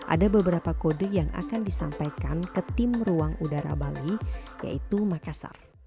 ada beberapa kode yang akan disampaikan ke tim ruang udara bali yaitu makassar